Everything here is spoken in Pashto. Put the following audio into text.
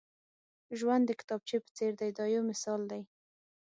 ژوند د کتابچې په څېر دی دا یو مثال دی.